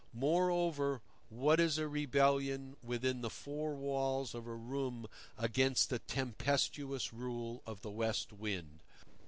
Moreover, what is a rebellion within the four walls of a room against the tempestuous rule of the West Wind?